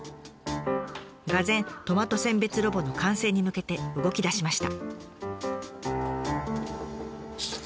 がぜんトマト選別ロボの完成に向けて動きだしました。